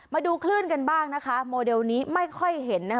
มาดูคลื่นกันบ้างนะคะโมเดลนี้ไม่ค่อยเห็นนะคะ